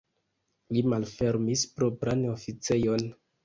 Li malfermis propran oficejon.